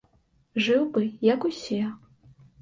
Жыў бы як усе.